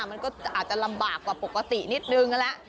มันก็อาจจะลำบากกว่าปกตินิดหนึ่งแล้ว